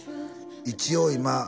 「一応今」